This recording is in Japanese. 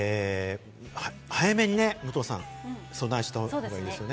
早めにね、武藤さん、備えはした方がいいですよね。